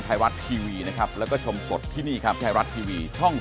ใช่ครับใช่